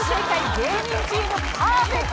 芸人チームパーフェクト。